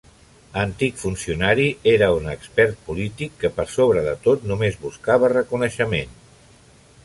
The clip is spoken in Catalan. Antic funcionari, era un expert polític que, per sobre de tot només buscava reconeixement.